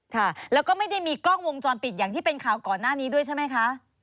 ค่ะแล้วก็ไม่ได้มีกล้องวงจรปิดอย่างที่เป็นข่าวก่อนหน้านี้ด้วยใช่ไหมคะ